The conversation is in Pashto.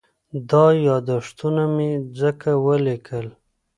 دا یادښتونه مې ځکه ولیکل.